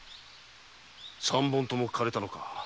三本とも枯れたのか？